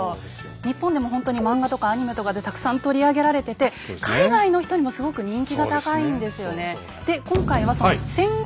日本でもほんとに漫画とかアニメとかでたくさん取り上げられてて海外の人にもすごく人気が高いんですよね。